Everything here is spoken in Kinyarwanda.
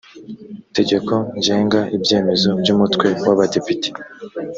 tegeko ngenga ibyemezo by umutwe w abadepite